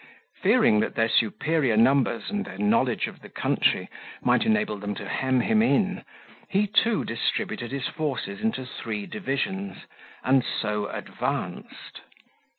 Fearing that their superior numbers and their knowledge of the country might enable them to hem him in, he too distributed his forces into three divisions, and so advanced.